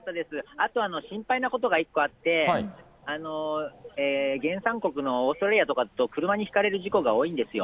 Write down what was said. あと心配なことが１個あって、原産国のオーストラリアとかだと車にひかれる事故が多いんですよ。